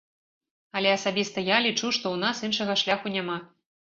Але асабіста я лічу, што ў нас іншага шляху няма.